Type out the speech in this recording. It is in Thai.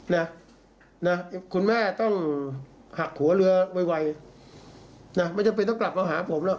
นะนะคุณแม่ต้องหักหัวเรือไวนะไม่จำเป็นต้องกลับมาหาผมหรอก